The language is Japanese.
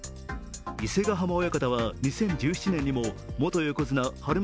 伊勢ヶ浜親方は２０１７年にも元横綱・日馬